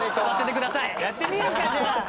やってみるかじゃあ。